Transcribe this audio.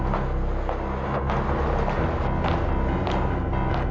eh itulah daunnya